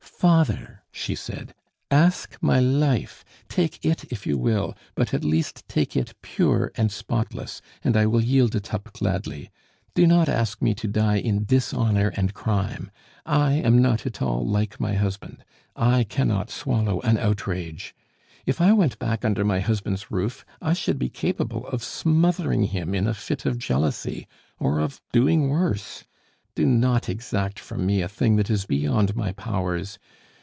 "Father," she said, "ask my life! Take it if you will, but at least take it pure and spotless, and I will yield it up gladly. Do not ask me to die in dishonor and crime. I am not at all like my husband; I cannot swallow an outrage. If I went back under my husband's roof, I should be capable of smothering him in a fit of jealousy or of doing worse! Do no exact from me a thing that is beyond my powers.